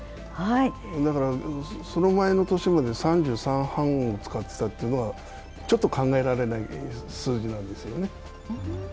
その前の年まで３３半を使ってたというのは、ちょっと考えられない数字なんですよね。